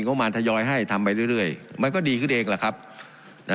ประมาณทยอยให้ทำไปเรื่อยมันก็ดีขึ้นเองแหละครับนะ